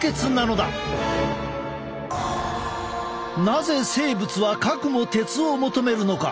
なぜ生物はかくも鉄を求めるのか？